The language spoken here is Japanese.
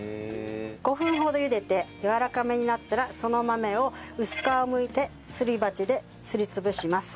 ５分ほどゆでてやわらかめになったらその豆を薄皮をむいてすり鉢ですり潰します。